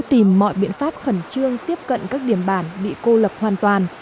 tìm mọi biện pháp khẩn trương tiếp cận các điểm bản bị cô lập hoàn toàn